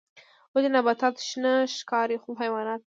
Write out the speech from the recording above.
ولې نباتات شنه ښکاري خو حیوانات نه